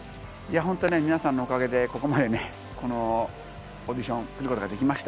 皆さんのおかげでここまでこのオーディション来ることができました。